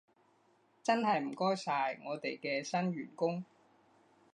真係唔該晒，我哋嘅新員工